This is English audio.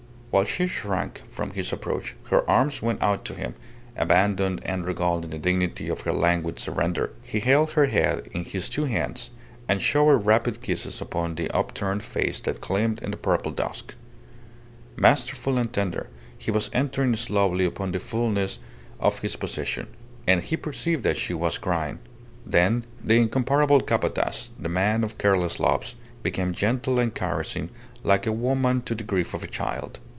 While she shrank from his approach, her arms went out to him, abandoned and regal in the dignity of her languid surrender. He held her head in his two hands, and showered rapid kisses upon the upturned face that gleamed in the purple dusk. Masterful and tender, he was entering slowly upon the fulness of his possession. And he perceived that she was crying. Then the incomparable Capataz, the man of careless loves, became gentle and caressing, like a woman to the grief of a child.